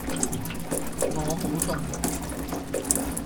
我好凍